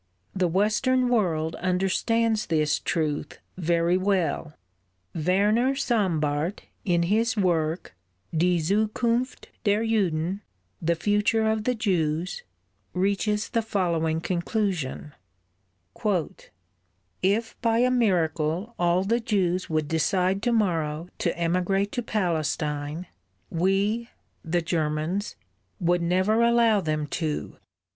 The Western world understands this truth very well. Werner Sombart in his work Die Zukunft der Juden (The Future of the Jews) reaches the following conclusion: "If by a miracle all the Jews would decide to morrow to emigrate to Palestine we (the Germans) would never allow them to.